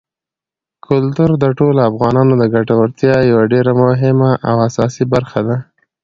کلتور د ټولو افغانانو د ګټورتیا یوه ډېره مهمه او اساسي برخه ده.